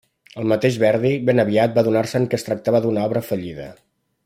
El mateix Verdi, ben aviat va adonar-se'n que es tractava d'una obra fallida.